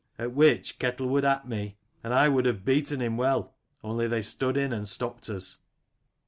At which Ketel would at me, and I would have beaten him well, only they stood in and stopped us.